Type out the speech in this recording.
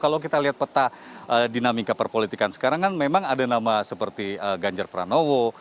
kalau kita lihat peta dinamika perpolitikan sekarang kan memang ada nama seperti ganjar pranowo